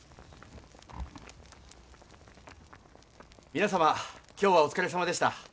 皆様今日はお疲れさまでした。